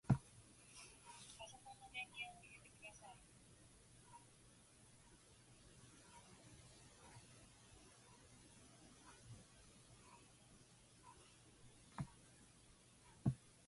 All three of his varsity years were spent under head coach Pete Carril.